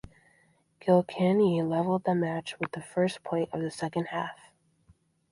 Kilkenny leveled the match with the first point of the second half.